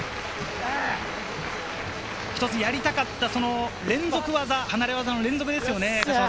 一つやりたかった連続技、離れ技の連続ですよね。